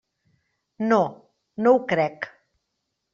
No, no ho crec.